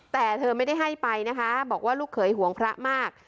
แต่เธอไม่ได้ให้ไปนะคะบอกว่าลูกเขยห่วงพระมาก